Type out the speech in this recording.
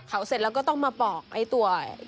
เขาเสร็จแล้วก็ต้องมาปอกไอ้ตัว